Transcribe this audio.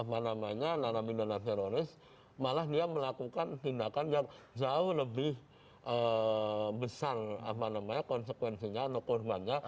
apa namanya narapidana teroris malah dia melakukan tindakan yang jauh lebih besar konsekuensinya atau korbannya